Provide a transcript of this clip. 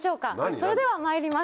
それではまいります